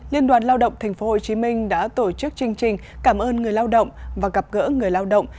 liên đoàn lao động tp hcm đã tổ chức chương trình cảm ơn người lao động và gặp gỡ người lao động